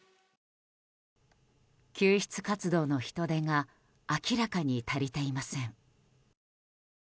救出活動の人手が明らかに足りていません。